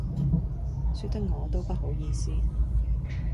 說得我都不好意思